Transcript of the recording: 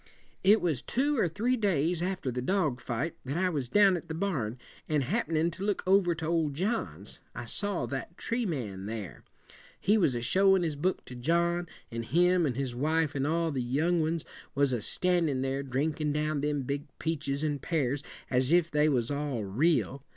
"It was two or three days after the dog fight that I was down at the barn, and happenin' to look over to old John's, I saw that tree man there. He was a showin' his book to John, and him and his wife and all the young ones was a standin' there, drinkin' down them big peaches and pears as if they was all real.